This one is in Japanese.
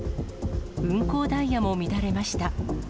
運行ダイヤも乱れました。